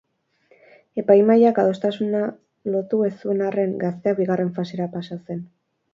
Epaimahaiak adostasuna lotu ez zuen arren, gazteak bigarren fasera pasa zen.